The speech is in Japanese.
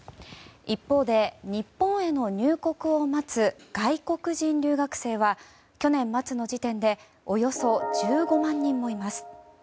一方で日本への入国を待つ外国人留学生は去年末の時点でおよそ１５万人もいます。